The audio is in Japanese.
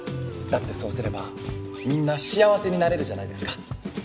だってそうすればみんな幸せになれるじゃないですか。